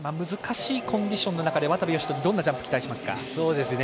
難しいコンディションの中で渡部善斗にどんなジャンプ期待しますか？